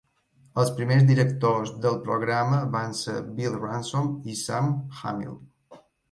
Els primers directors de el programa van ser Bill Ransom i Sam Hamill.